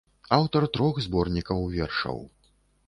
Аўтар трох зборнікаў вершаў.